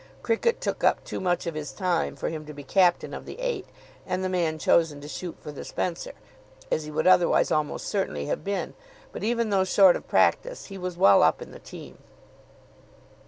Cricket took up too much of his time for him to be captain of the Eight and the man chosen to shoot for the Spencer, as he would otherwise almost certainly have been; but even though short of practice he was well up in the team.